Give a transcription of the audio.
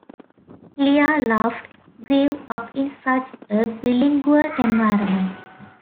Lya Luft grew up in such a bilingual environment.